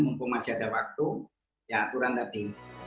mumpung masih ada waktu ya aturan tadi